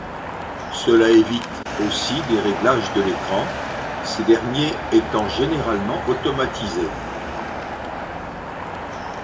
Ceci évite aussi des réglages de l’écran, ces derniers étant généralement automatisés.